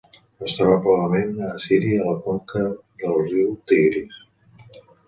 Es troba, probablement, a Síria o a la conca del riu Tigris.